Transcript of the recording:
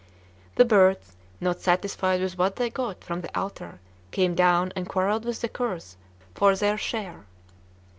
The birds, not satisfied with what they got from the altar, came down and quarrelled with the curs for their share.